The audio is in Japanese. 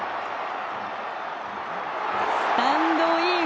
スタンドイン！